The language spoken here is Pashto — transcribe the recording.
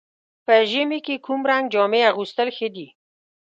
په ژمي کې کوم رنګ جامې اغوستل ښه دي؟